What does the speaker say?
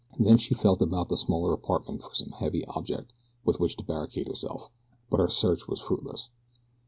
Then she felt about the smaller apartment for some heavy object with which to barricade herself; but her search was fruitless.